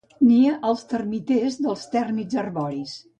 Nia als termiters dels tèrmits arboris.